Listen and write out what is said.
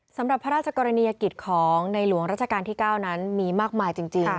สำหรับพระราชกรณียกิจของในหลวงราชการที่๙นั้นมีมากมายจริง